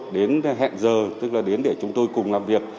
đến hẹn giờ tức là đến để chúng tôi cùng làm việc